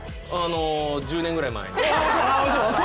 １０年ぐらい前に。